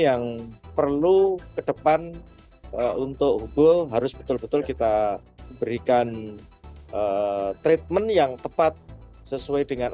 yang perlu ke depan untuk ubul harus betul betul kita berikan treatment yang tepat sesuai dengan